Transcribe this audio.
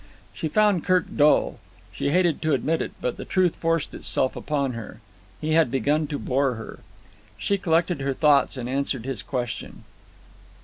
She found Kirk dull. She hated to admit it, but the truth forced itself upon her. He had begun to bore her. She collected her thoughts and answered his question.